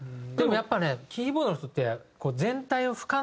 でもやっぱねキーボードの人って。